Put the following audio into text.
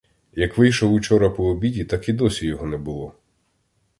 Як вийшов учора по обіді, так і досі його не було.